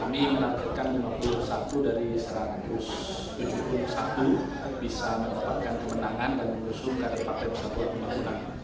pertama pemilihan kedua dari satu ratus tujuh puluh satu bisa menetapkan kemenangan dan mengusung kader partai persatuan pembangunan